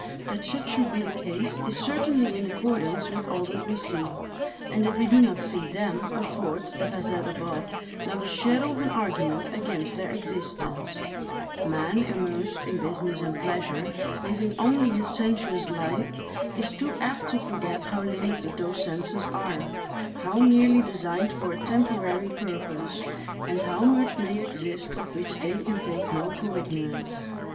That such should be the case, is certainly in accordance with all that we see; and that we do not see them, affords, as I have said above, not a shadow of argument against their existence; man, immersed in business and pleasure, living only his sensuous life, is too apt to forget how limited those senses are, how merely designed for a temporary purpose, and how much may exist of which they can take no cognizance.